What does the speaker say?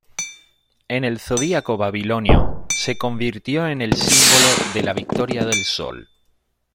En el zodiaco babilonio, se convirtió en el símbolo de la victoria del sol.